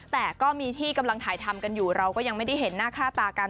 แต่ก็มีที่กำลังถ่ายทำกันอยู่เราก็ยังไม่ได้เห็นหน้าค่าตากัน